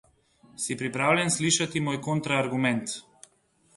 Si pripravljen slišati moj kontra argument?